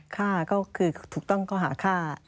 ฆ่าก็คือถูกต้องก็หาฆ่า